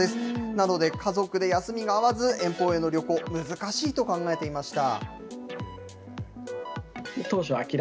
なので、家族で休みが合わず、遠方への旅行、難しいと考えていました。